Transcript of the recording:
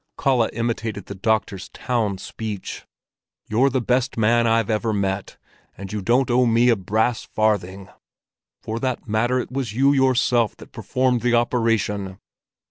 (Kalle imitated the doctor's town speech), 'You're the best man I've ever met, and you don't owe me a brass farthing! For that matter, it was you yourself that performed the operation.